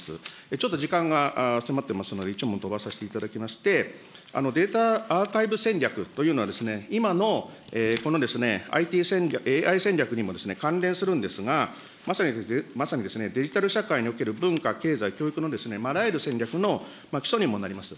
ちょっと時間が迫ってますので、一問飛ばさせていただきまして、データアーカイブ戦略というのは、今のこのＩＴ戦略、ＡＩ戦略にも関連するんですが、まさに、まさにですね、デジタル社会における文化、経済、教育のあらゆる戦略の基礎にもなります。